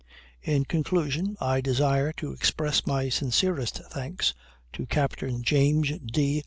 In conclusion I desire to express my sincerest thanks to Captain James D.